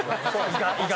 意外。